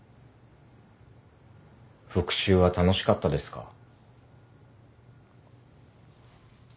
復讐は楽しかったですか？